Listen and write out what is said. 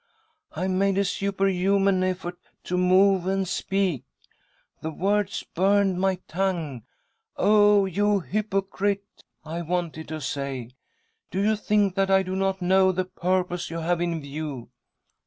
I made a superhuman effort to move and speak. The words .burned my tongue. ' Oh, you hypocrite !' I wanted to say, ' Do you think that I do not know the purpose you have in view